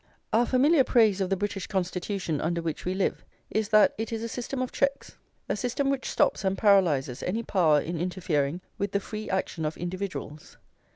Our familiar praise of the British Constitution under which we live, is that it is a system of checks, a system which stops and paralyses any power in interfering with the free action of individuals.